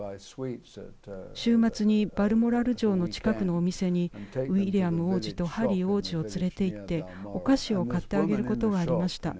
週末にバルモラル城の近くのお店にウィリアム王子とハリー王子を連れていってお菓子を買ってあげることがありました。